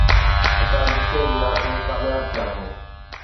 اسان جتي به وياسون ڪامياب ٿياسون